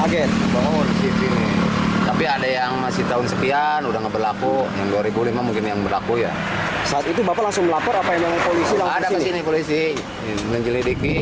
kip ini diperlukan untuk menjelidiki